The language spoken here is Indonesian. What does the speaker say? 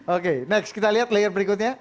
oke next kita lihat layer berikutnya